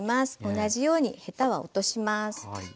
同じようにヘタは落とします。